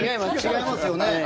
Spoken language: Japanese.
違いますよね。